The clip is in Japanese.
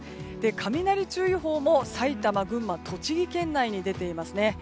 雷注意報も埼玉、群馬、栃木県内に出ていますね。